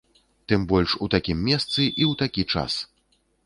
Тым больш у такім месцы і ў такі час!